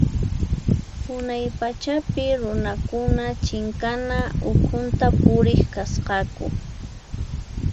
Unay pachapi runakuna chinkana ukhunta puriq kasqaku.